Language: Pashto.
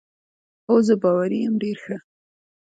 هو، زه باوري یم، ډېر ښه.